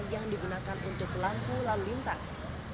yang digunakan untuk lampu lalu lintas